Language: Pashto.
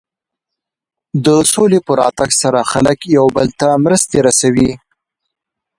د سولې په راتګ سره خلک یو بل ته مرستې رسوي.